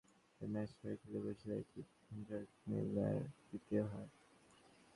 দুই ম্যাচ করে খেলে বরিশালের এটি প্রথম জয়, কুমিল্লার দ্বিতীয় হার।